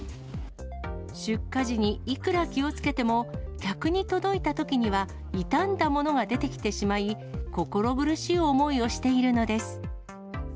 出荷時にいくら気をつけても、客に届いたときには傷んだものが出てきてしまい、心苦しい思いをしているのです。